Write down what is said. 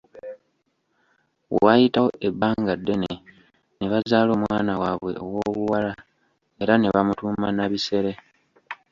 Waayitawo ebbanga ddene ne bazaala omwana waabwe ow’obuwala era ne bamutuuma Nabisere.